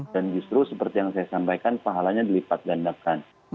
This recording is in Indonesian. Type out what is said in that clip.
dan justru seperti yang saya sampaikan pahalanya dilipat gandakan